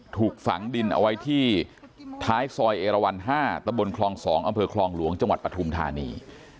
ถูกฝังดินเอาไว้ที่ท้ายซอยเอราวัน๕ตะบนคลอง๒อำเภอคลองหลวงจังหวัดปฐุมธานี